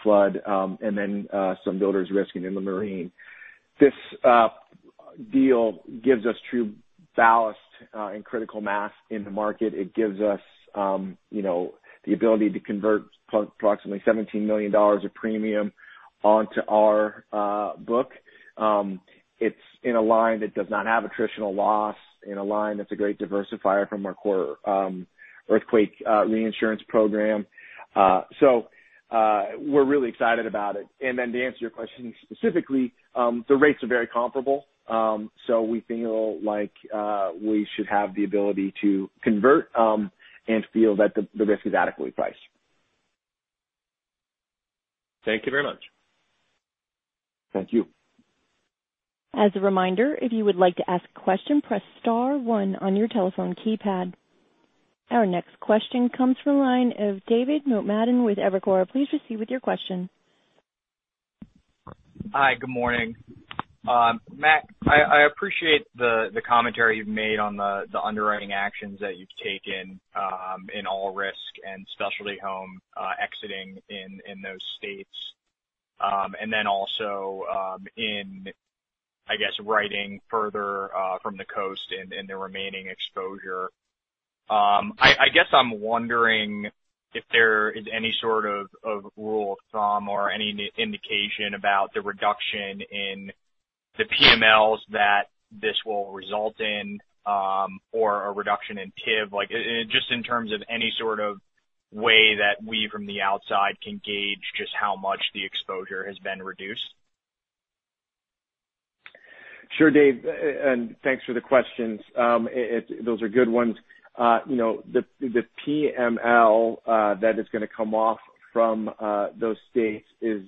flood, and then some builders risk in inland marine. This deal gives us true ballast and critical mass in the market. It gives us the ability to convert approximately $17 million of premium onto our book. It's in a line that does not have attritional loss, in a line that's a great diversifier from our core earthquake reinsurance program. We're really excited about it. Then to answer your question specifically, the rates are very comparable. We feel like we should have the ability to convert and feel that the risk is adequately priced. Thank you very much. Thank you. As a reminder, if you would like to ask a question, press star one on your telephone keypad. Our next question comes from the line of David Motemaden with Evercore. Please proceed with your question. Hi, good morning. Mac, I appreciate the commentary you've made on the underwriting actions that you've taken, in commercial all-risk and specialty homeowners exiting in those states. Then also, in, I guess, writing further from the coast and the remaining exposure. I guess I'm wondering if there is any sort of rule of thumb or any indication about the reduction in the PMLs that this will result in, or a reduction in TIV, just in terms of any sort of way that we from the outside can gauge just how much the exposure has been reduced. Sure, Dave, thanks for the questions. Those are good ones. The PML that is going to come off from those states is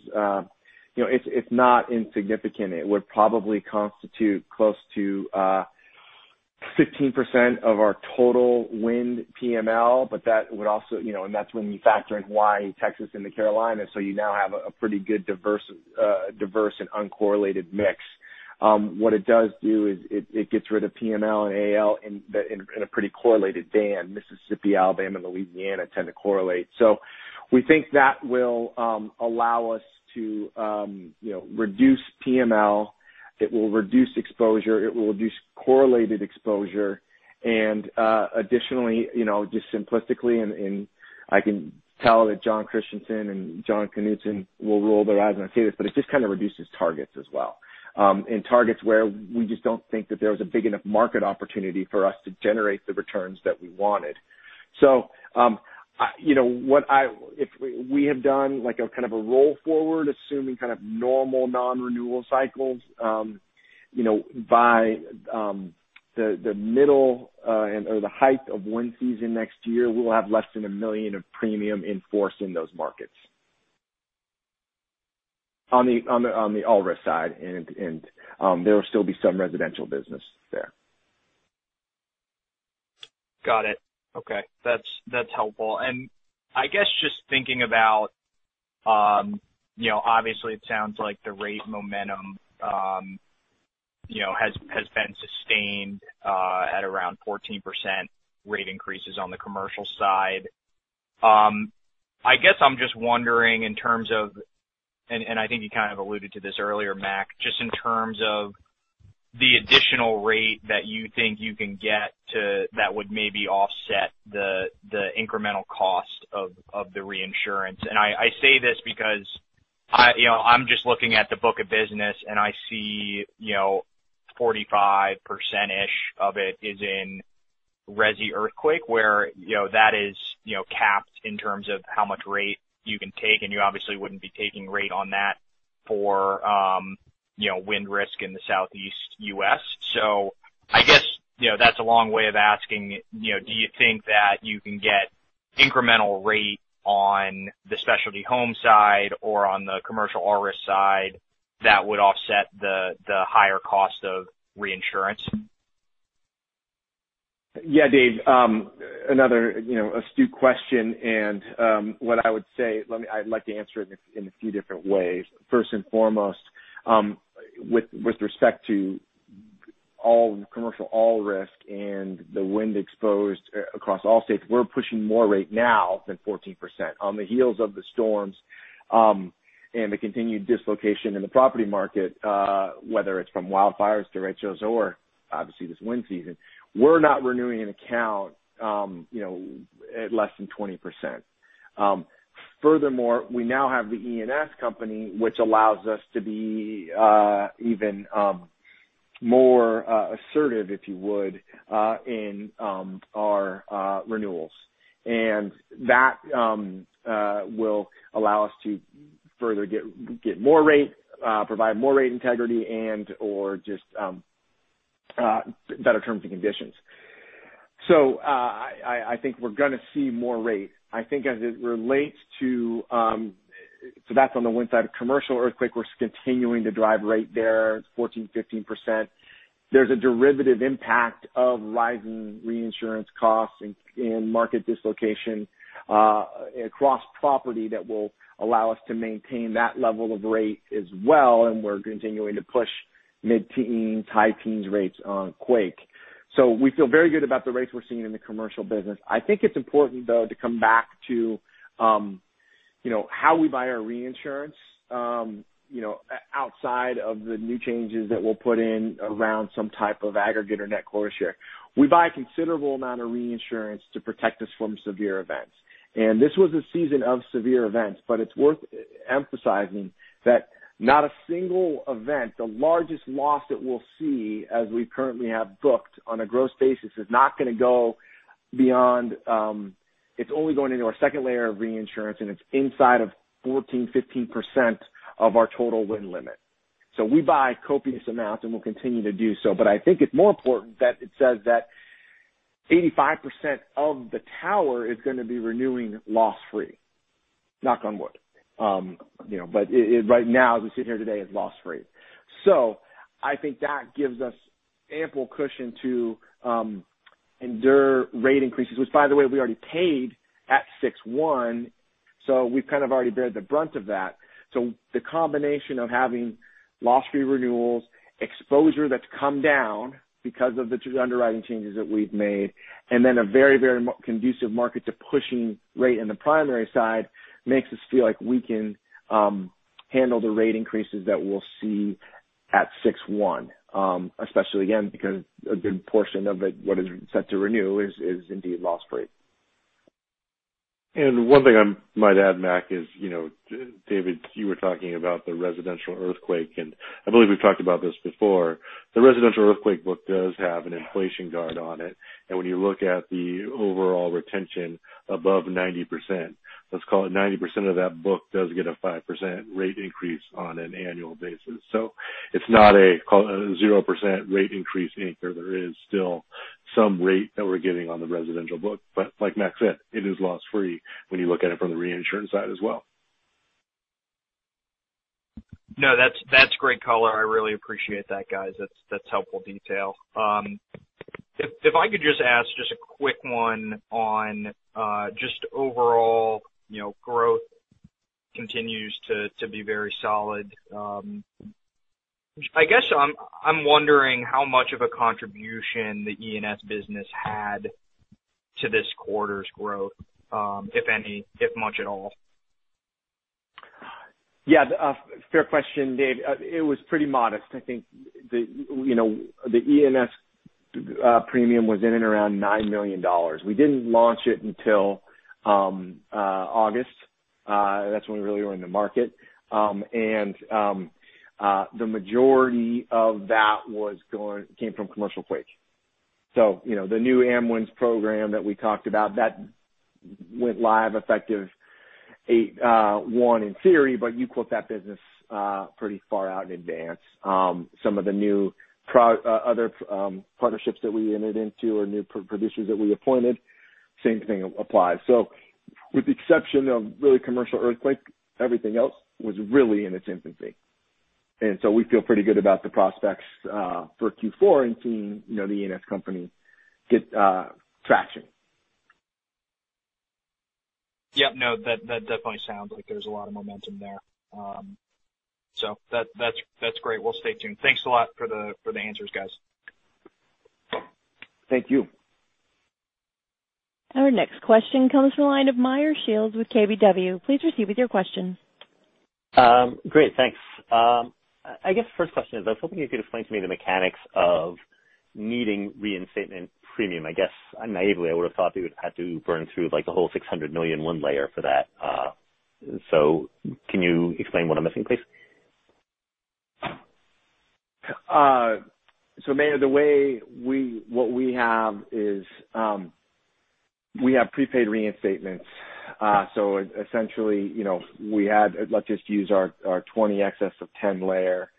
not insignificant. It would probably constitute close to 15% of our total wind PML. That's when you factor in Hawaii, Texas, and the Carolinas, so you now have a pretty good diverse and uncorrelated mix. What it does do is it gets rid of PML and AAL in a pretty correlated band. Mississippi, Alabama, and Louisiana tend to correlate. We think that will allow us to reduce PML. It will reduce exposure. It will reduce correlated exposure. Additionally, just simplistically, and I can tell that Jon Christianson and John Knutson will roll their eyes when I say this, but it just kind of reduces targets as well. Targets where we just don't think that there was a big enough market opportunity for us to generate the returns that we wanted. We have done like a kind of a roll forward, assuming kind of normal non-renewal cycles. By the middle or the height of one season next year, we'll have less than a million of premium in force in those markets. On the commercial all-risk side, and there will still be some residential business there. Got it. Okay. That's helpful. I guess just thinking about, obviously, it sounds like the rate momentum has been sustained at around 14% rate increases on the commercial side. I guess I'm just wondering in terms of, and I think you kind of alluded to this earlier, Mac, just in terms of the additional rate that you think you can get that would maybe offset the incremental cost of the reinsurance. I say this because I'm just looking at the book of business, and I see 45%-ish of it is in residential earthquake where that is capped in terms of how much rate you can take, and you obviously wouldn't be taking rate on that for wind risk in the Southeast U.S. I guess that's a long way of asking, do you think that you can get incremental rate on the specialty homeowners side or on the commercial all-risk side that would offset the higher cost of reinsurance? Yeah, David. Another astute question. What I would say, I'd like to answer it in a few different ways. First and foremost, with respect to all commercial all-risk and the wind exposed across all states, we're pushing more rate now than 14%. On the heels of the storms, and the continued dislocation in the property market, whether it's from wildfires, derechos, or obviously this wind season, we're not renewing an account at less than 20%. Furthermore, we now have the Palomar Excess and Surplus Insurance Company, which allows us to be even more assertive, if you would, in our renewals. That will allow us to further get more rate, provide more rate integrity, and/or just better terms and conditions. I think we're going to see more rate. That's on the one side of commercial earthquake, we're continuing to drive rate there 14%-15%. There's a derivative impact of rising reinsurance costs and market dislocation across property that will allow us to maintain that level of rate as well. We're continuing to push mid-teens, high teens rates on quake. We feel very good about the rates we're seeing in the commercial business. I think it's important, though, to come back to how we buy our reinsurance outside of the new changes that we'll put in around some type of aggregate or net quota share. We buy a considerable amount of reinsurance to protect us from severe events. This was a season of severe events. It's worth emphasizing that not a single event, the largest loss that we'll see as we currently have booked on a gross basis, is only going into our second layer of reinsurance, and it's inside of 14%-15% of our total wind limit. We buy copious amounts. We'll continue to do so. I think it's more important that it says that 85% of the tower is going to be renewing loss-free. Knock on wood. Right now, as we sit here today, it's loss-free. I think that gives us ample cushion to endure rate increases, which by the way, we already paid at 6/1. We've kind of already bear the brunt of that. The combination of having loss-free renewals, exposure that's come down because of the two underwriting changes that we've made, and then a very, very conducive market to pushing rate in the primary side makes us feel like we can handle the rate increases that we'll see at six one. Especially again, because a good portion of it, what is set to renew is indeed loss-free. One thing I might add, Mac, is, David, you were talking about the residential earthquake, and I believe we've talked about this before. The residential earthquake book does have an Inflation Guard on it, and when you look at the overall retention above 90%, let's call it 90% of that book does get a 5% rate increase on an annual basis. It's not a 0% rate increase, either there is still some rate that we're getting on the residential book. Like Mac said, it is loss-free when you look at it from the reinsurance side as well. No, that's great color. I really appreciate that, guys. That's helpful detail. If I could just ask just a quick one on just overall growth continues to be very solid. I guess I'm wondering how much of a contribution the E&S business had to this quarter's growth, if any, if much at all. Yeah. Fair question, Dave. It was pretty modest. I think the E&S premium was in and around $9 million. We didn't launch it until August. That's when we really were in the market. The majority of that came from commercial earthquake. The new Amwins program that we talked about, that went live effective eight one in theory, you quote that business pretty far out in advance. Some of the new other partnerships that we entered into or new producers that we appointed, same thing applies. With the exception of really commercial earthquake, everything else was really in its infancy. We feel pretty good about the prospects for Q4 and seeing the E&S company get traction. Yeah. No, that definitely sounds like there's a lot of momentum there. That's great. We'll stay tuned. Thanks a lot for the answers, guys. Thank you. Our next question comes from the line of Meyer Shields with KBW. Please proceed with your question. Great. Thanks. I guess first question is, I was hoping you could explain to me the mechanics of needing reinstatement premium. I guess naively, I would've thought they would had to burn through the whole $600 million one layer for that. Can you explain what I'm missing, please? Meyer, the way what we have is, we have prepaid reinstatements. Essentially, let's just use our 20 excess of 10 layer.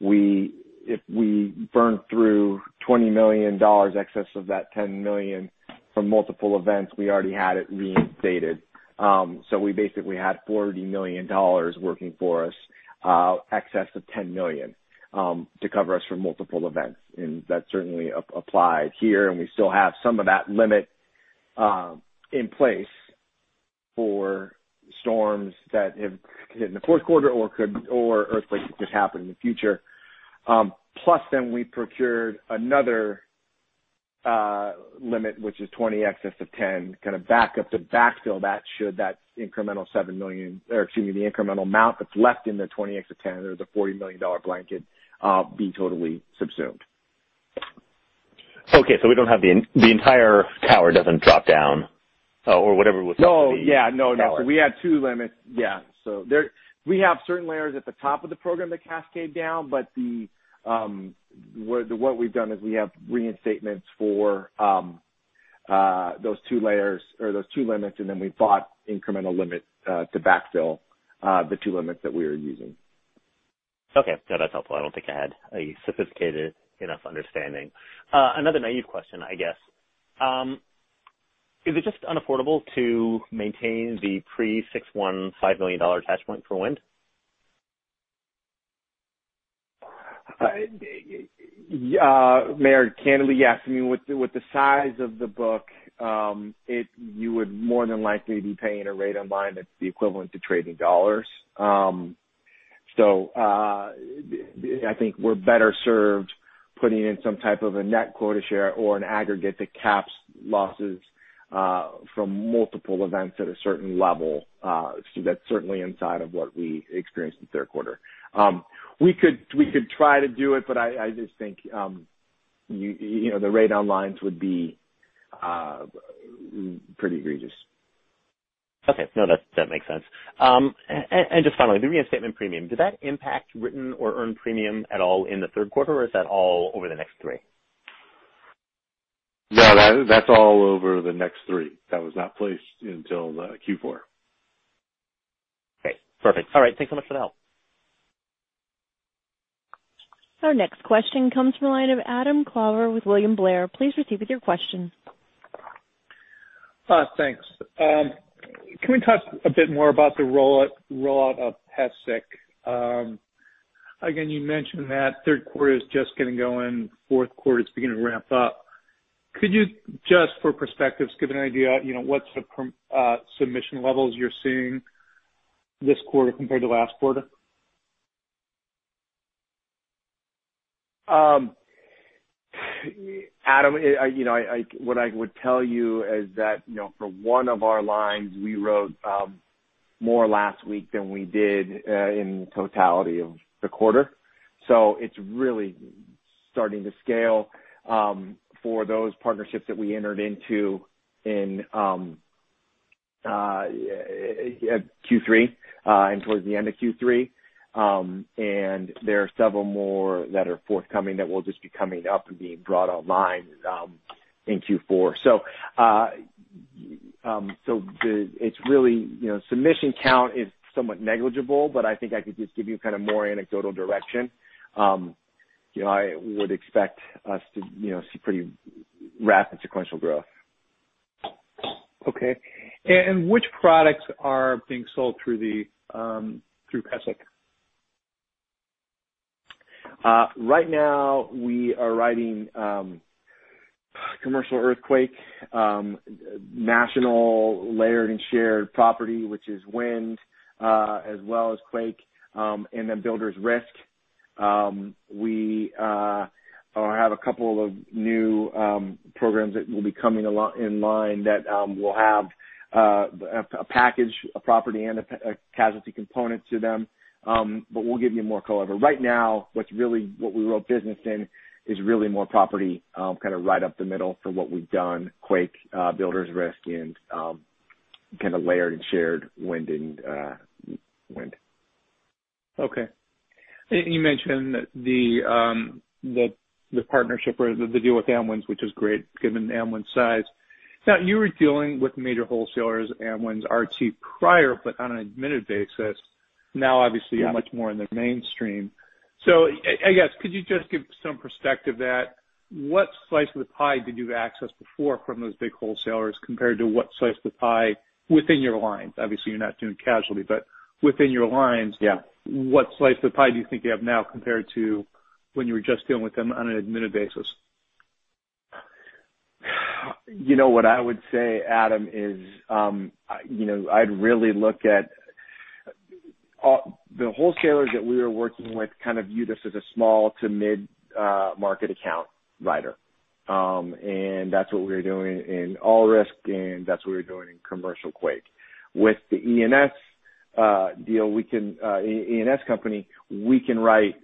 If we burn through $20 million excess of that $10 million from multiple events, we already had it reinstated. We basically had $40 million working for us, excess of $10 million, to cover us from multiple events. That certainly applied here, and we still have some of that limit in place for storms that have hit in the fourth quarter or earthquakes that could happen in the future. We procured another limit, which is 20 excess of 10, kind of back up to backfill that should that incremental $7 million or, excuse me, the incremental amount that's left in the 20 excess of 10 or the $40 million blanket, be totally subsumed. Okay. We don't have the entire tower doesn't drop down or whatever was supposed to be- No. Yeah, no. We had two limits. Yeah. We have certain layers at the top of the program that cascade down. What we've done is we have reinstatements for those two layers or those two limits, and then we bought incremental limits to backfill the two limits that we were using. Okay. No, that's helpful. I don't think I had a sophisticated enough understanding. Another naive question, I guess. Is it just unaffordable to maintain the pre-6/1 $5 million attachment for wind? Meyer, candidly, yes. I mean, with the size of the book, you would more than likely be paying a rate on line that's the equivalent to trading dollars. I think we're better served putting in some type of a net quota share or an aggregate that caps losses from multiple events at a certain level. That's certainly inside of what we experienced in the third quarter. We could try to do it, I just think the rate on lines would be pretty egregious. Okay. No, that makes sense. Just finally, the reinstatement premium, did that impact written or earned premium at all in the third quarter, is that all over the next three? That's all over the next three. That was not placed until the Q4. Okay. Perfect. All right. Thanks so much for the help. Our next question comes from the line of Adam Klauber with William Blair. Please proceed with your question. Thanks. Can we talk a bit more about the rollout of PESIC? Again, you mentioned that third quarter is just getting going, fourth quarter is beginning to ramp up. Could you just for perspective, give an idea, what's the submission levels you're seeing this quarter compared to last quarter? Adam, what I would tell you is that for one of our lines, we wrote more last week than we did in the totality of the quarter. It's really starting to scale for those partnerships that we entered into in Q3 and towards the end of Q3. There are several more that are forthcoming that will just be coming up and being brought online in Q4. Submission count is somewhat negligible, but I think I could just give you more anecdotal direction. I would expect us to see pretty rapid sequential growth. Okay. Which products are being sold through PESIC? Right now, we are writing commercial earthquake, national layered and shared property, which is wind, as well as quake, and then builders risk. We have a couple of new programs that will be coming in line that will have a package, a property, and a casualty component to them. We'll give you more color. Right now, what we wrote business in is really more property, kind of right up the middle for what we've done, quake, builders risk, and kind of layered and shared wind. Okay. You mentioned the partnership or the deal with Amwins, which is great given Amwins' size. Now, you were dealing with major wholesalers, Amwins, RT prior, but on an admitted basis. Now, obviously you're much more in the mainstream. I guess could you just give some perspective that what slice of the pie did you have access before from those big wholesalers compared to what slice of the pie within your lines? Obviously, you're not doing casualty, but within your lines- Yeah what slice of the pie do you think you have now compared to when you were just dealing with them on an admitted basis? What I would say, Adam, is I'd really look at the wholesalers that we were working with kind of view this as a small to mid market account writer. That's what we were doing in all risk, and that's what we were doing in commercial quake. With the E&S deal, E&S company, we can write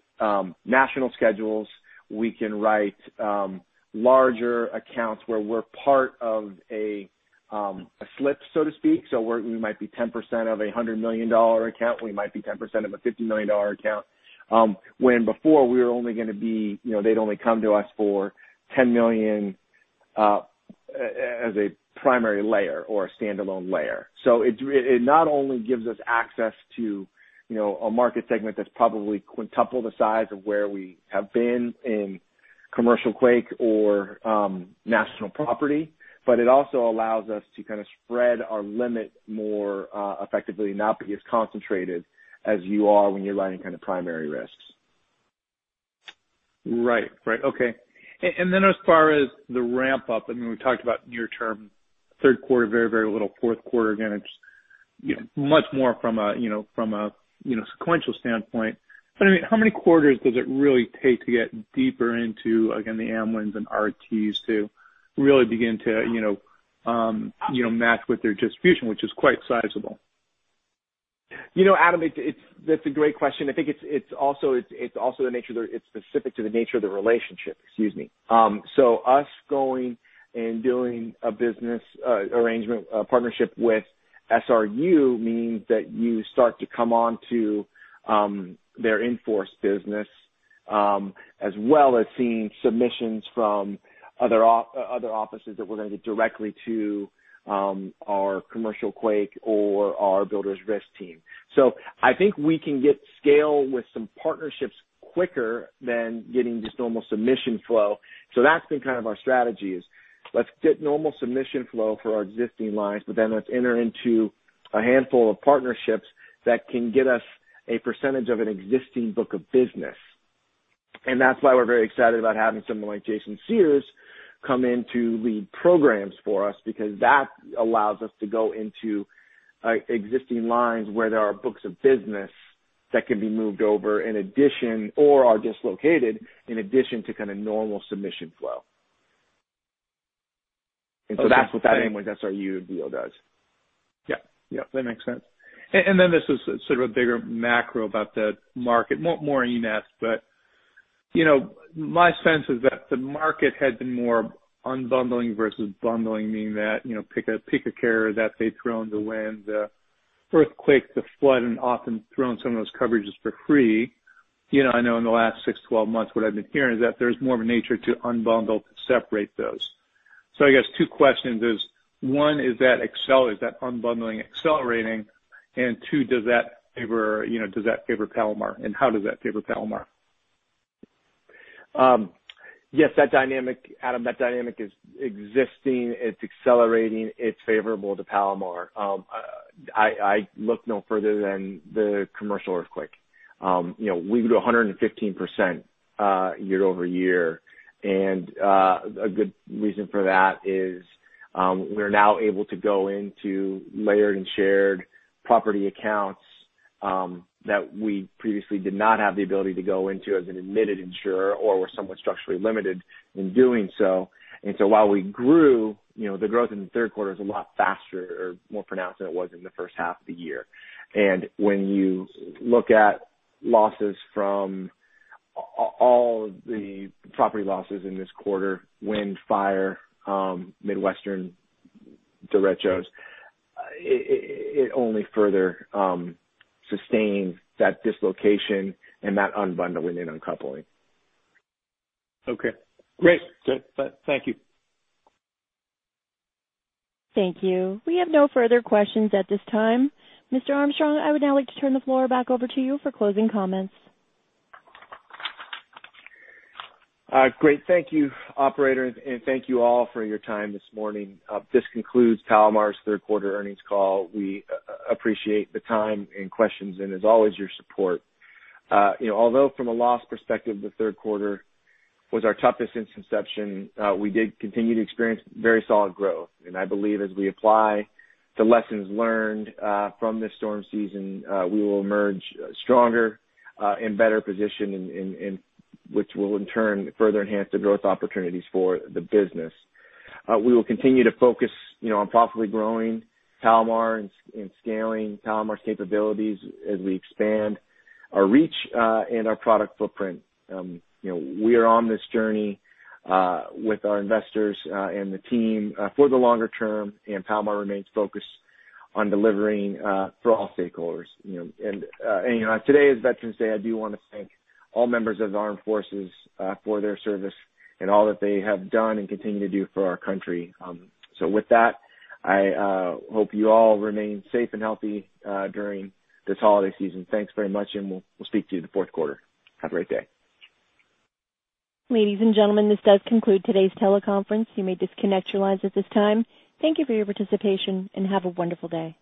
national schedules, we can write larger accounts where we're part of a slip, so to speak. We might be 10% of a $100 million account. We might be 10% of a $50 million account. When before they'd only come to us for $10 million as a primary layer or a standalone layer. It not only gives us access to a market segment that's probably quintuple the size of where we have been in commercial quake or national property. It also allows us to kind of spread our limit more effectively, not be as concentrated as you are when you're writing kind of primary risks. Right. Okay. As far as the ramp up, we talked about near term third quarter, very, very little. Fourth quarter, again, it's much more from a sequential standpoint. How many quarters does it really take to get deeper into, again, the Amwins and RTs to really begin to match with their distribution, which is quite sizable? Adam, that's a great question. I think it's also specific to the nature of the relationship. Excuse me. Us going and doing a business arrangement partnership with SRU means that you start to come on to their in-force business, as well as seeing submissions from other offices that we're going to get directly to our commercial quake or our builders risk team. I think we can get scale with some partnerships quicker than getting just normal submission flow. That's been kind of our strategy is let's get normal submission flow for our existing lines, let's enter into a handful of partnerships that can get us a percentage of an existing book of business. That's why we're very excited about having someone like Jason Sears come in to lead programs for us, because that allows us to go into existing lines where there are books of business that can be moved over in addition or are dislocated in addition to kind of normal submission flow. That's what that SRU deal does. Yep. That makes sense. Then this is sort of a bigger macro about the market, more E&S, but my sense is that the market had been more unbundling versus bundling, meaning that pick a carrier that they throw in the wind, the earthquake, the flood, and often thrown some of those coverages for free. I know in the last six, 12 months, what I've been hearing is that there's more of a nature to unbundle to separate those. I guess two questions is, one, is that unbundling accelerating? Two, does that favor Palomar, and how does that favor Palomar? Yes, Adam, that dynamic is existing, it's accelerating, it's favorable to Palomar. I look no further than the commercial earthquake. We grew to 115% year-over-year. A good reason for that is we're now able to go into layered and shared property accounts that we previously did not have the ability to go into as an admitted insurer or were somewhat structurally limited in doing so. While we grew, the growth in the third quarter is a lot faster or more pronounced than it was in the first half of the year. When you look at all the property losses in this quarter, wind, fire, Midwestern derechos, it only further sustains that dislocation and that unbundling and uncoupling. Okay, great. Thank you. Thank you. We have no further questions at this time. Mr. Armstrong, I would now like to turn the floor back over to you for closing comments. Great. Thank you, operator, thank you all for your time this morning. This concludes Palomar's third quarter earnings call. We appreciate the time and questions, as always, your support. Although from a loss perspective, the third quarter was our toughest since inception, we did continue to experience very solid growth. I believe as we apply the lessons learned from this storm season, we will emerge stronger, in better position, which will in turn further enhance the growth opportunities for the business. We will continue to focus on profitably growing Palomar and scaling Palomar's capabilities as we expand our reach and our product footprint. We are on this journey with our investors and the team for the longer term, Palomar remains focused on delivering for all stakeholders. Today is Veterans Day. I do want to thank all members of the armed forces for their service and all that they have done and continue to do for our country. With that, I hope you all remain safe and healthy during this holiday season. Thanks very much, we'll speak to you the fourth quarter. Have a great day. Ladies and gentlemen, this does conclude today's teleconference. You may disconnect your lines at this time. Thank you for your participation, have a wonderful day.